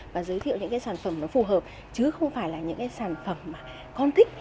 và giới thiệu những sản phẩm phù hợp chứ không phải là những sản phẩm mà con thích